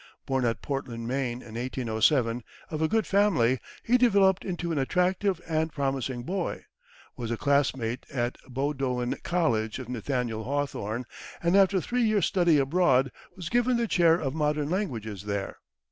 Born at Portland, Maine, in 1807, of a good family, he developed into an attractive and promising boy; was a classmate at Bowdoin College of Nathaniel Hawthorne, and after three years' study abroad, was given the chair of modern languages there.